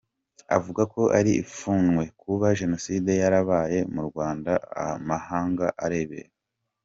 Avuga ko ari ipfunwe kuba Jenoside yarabaye mu Rwanda amahanga arebera.